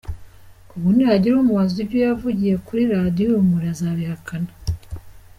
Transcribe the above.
Ubu nihagira umubaza ibyo yavugiye kuri Radiyo Urumuri azabihakana.